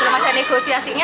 belum ada negosiasinya